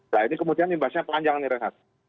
nah ini kemudian imbasnya panjang ini renat